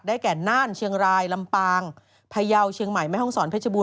แก่น่านเชียงรายลำปางพยาวเชียงใหม่แม่ห้องศรเพชรบูร